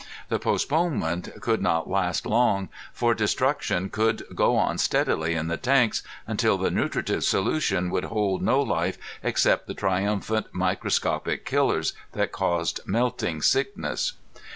The postponement could not last long, for destruction could go on steadily in the tanks until the nutritive solution would hold no life except the triumphant microscopic killers that caused melting sickness.